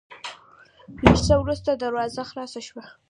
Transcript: لېږ څه ورورسته دروازه خلاصه شوه،